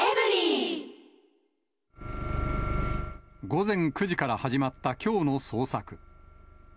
午前９時から始まったきょうの捜索。